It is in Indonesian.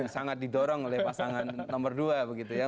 sangat didorong oleh pasangan nomor dua